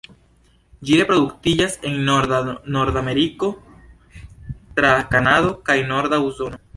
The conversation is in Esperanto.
Ĝi reproduktiĝas en norda Nordameriko tra Kanado kaj norda Usono.